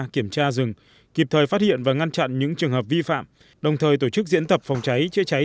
kiểm tra rừng kịp thời phát hiện và ngăn chặn những trường hợp vi phạm đồng thời tổ chức diễn tập phòng cháy chữa cháy